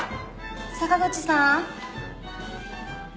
坂口さん。